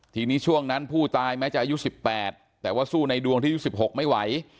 ทีนี้ช่วงนั้นผู้ตายแม้จะอายุ๑๘แต่ว่าสู้ในดวงที่อายุ๑๖ไม่ไหว